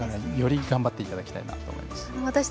より、頑張っていただきたいなと思います。